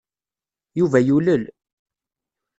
Yuba yulel.